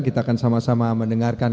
kita akan sama sama mendengarkan